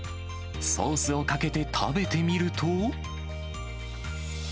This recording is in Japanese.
ソースをかけて食べてみると。